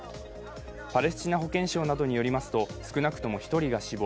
パレスチナ保健省などによりますと少なくとも１人が死亡、